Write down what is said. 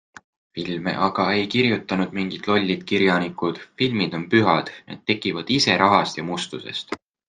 Filme aga ei kirjuta mingid lollid kirjanikud, filmid on pühad, need tekivad ise rahast ja mustusest.